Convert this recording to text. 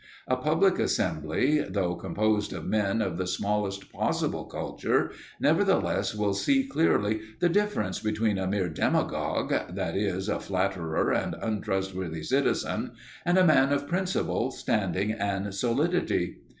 A public assembly, though composed of men of the smallest possible culture, nevertheless will see clearly the difference between a mere demagogue (that is, a flatterer and untrustworthy citizen) and a man of principle, standing, and solidity.